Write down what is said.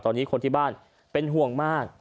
ตอนนี้คนที่บ้านเป็นห่วงมาก